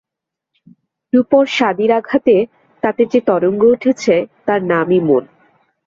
রূপরসাদির আঘাতে তাতে যে তরঙ্গ উঠছে, তার নামই মন।